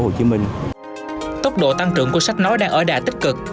tốc độ tăng trưởng của sách nói đang ở đà tích cực